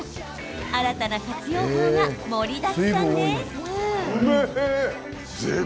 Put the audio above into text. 新たな活用法が盛りだくさんです。